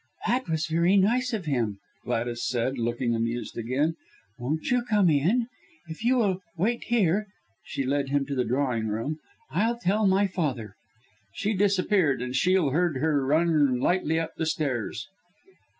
"That was very nice of him," Gladys said, looking amused again. "Won't you come in? If you will wait here" she led him to the drawing room "I'll tell my father." She disappeared, and Shiel heard her run lightly up the stairs.